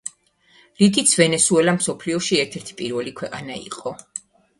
რითიც ვენესუელა მსოფლიოში ერთ-ერთი პირველი ქვეყანა იყო.